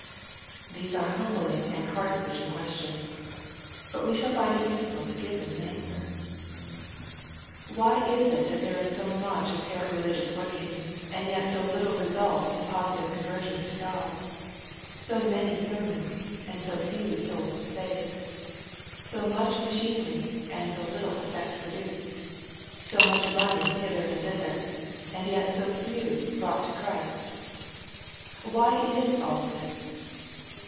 These are humbling and heart searching questions. But we shall find it useful to give them an answer. l40 EXPOSITOBT THOUGHTS. Why is it that there is so much apparent religions irorking, and yet so little result in positive conversions to God, — ^so many sennonflyAnd.jBO few souls saved, — so much machinery, aud so little effect produced, — so much running hither and tbitherj a nd yet so few brought to Christ ? Why is all this